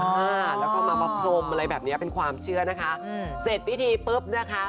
อ่าแล้วก็มาประพรมอะไรแบบเนี้ยเป็นความเชื่อนะคะอืมเสร็จพิธีปุ๊บนะคะ